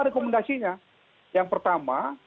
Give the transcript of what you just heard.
rekomendasinya yang pertama